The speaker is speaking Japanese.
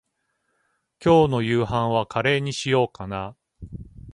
今日の夕飯はカレーにしようかな。